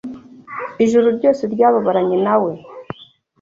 ijuru ryose ryababaranye na we